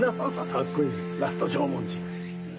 カッコいいラスト縄文人。